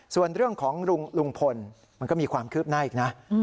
ส่วนเรื่องของลุงพลมันก็มีความคืบหน้าอีกนะ